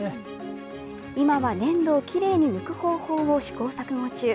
今は粘土をきれいに抜く方法を試行錯誤中。